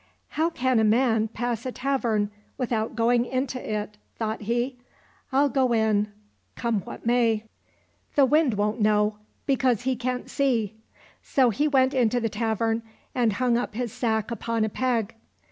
" How can a man pass a tavern without going into it ?" thought he ; "I'll go in, come what may. 31 COSSACK FAIRY TALES The Wind won*t know, because he can't see." So he went into the tavern and hung up his sack upon a peg.